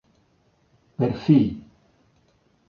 Perfil